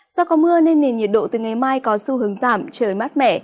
do có mưa nên nền nhiệt độ từ ngày mai có xu hướng giảm trời mát mẻ